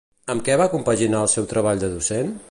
Amb què va compaginar el seu treball de docent?